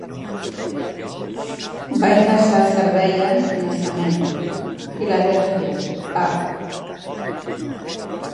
Va ingressar al servei en:--- Naixement: Filadèlfia, Pa.